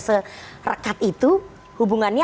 serekat itu hubungannya